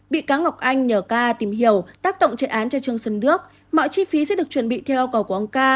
bị cáo ngọc anh nhờ ca tìm hiểu tác động trại án cho trương sơn đước mọi chi phí sẽ được chuẩn bị theo cầu của ông ca